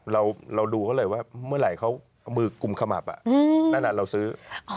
เราดูเขาเลยว่าเมื่อไหร่เขาเอามือกลุ่มขมับนั่นเราซื้อ